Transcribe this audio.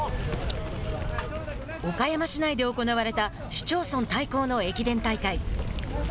岡山市内で行われた市町村対抗の駅伝大会。